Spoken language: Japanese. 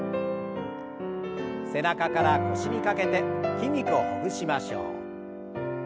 背中から腰にかけて筋肉をほぐしましょう。